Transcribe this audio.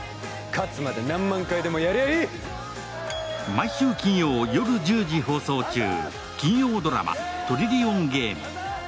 毎週金曜夜１０時放送中、金曜ドラマ「トリリオンゲーム」。